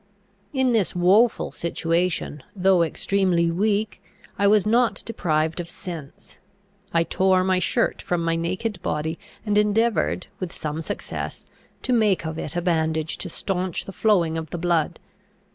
In this woeful situation, though extremely weak, I was not deprived of sense. I tore my shirt from my naked body, and endeavoured, with some success, to make of it a bandage to staunch the flowing of the blood.